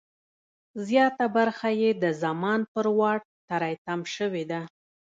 زیاته برخه یې د زمان پر واټ تری تم شوې ده.